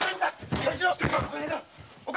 大丈夫か